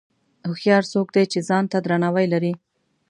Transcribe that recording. هوښیار څوک دی چې ځان ته درناوی لري.